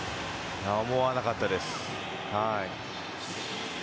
思わなかったです。